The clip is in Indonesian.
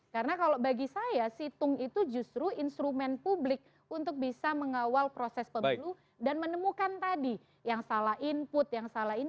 karena kalau bagi saya situng itu justru instrumen publik untuk bisa mengawal proses pemilu dan menemukan tadi yang salah input yang salah ini